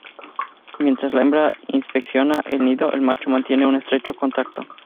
Mientras la hembra inspecciona el nido, el macho mantiene un estrecho contacto.